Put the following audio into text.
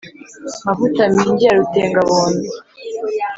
Mavuta-mingi ya rutenga-bondo,